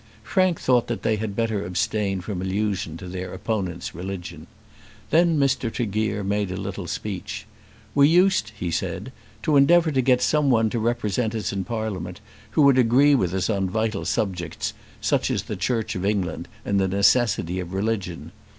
Frank thought that they had better abstain from allusion to their opponent's religion. Then Mr. Tregear made a little speech. "We used," he said, "to endeavour to get someone to represent us in Parliament, who would agree with us on vital subjects, such as the Church of England and the necessity of religion.